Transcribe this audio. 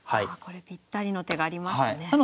これぴったりの手がありましたね。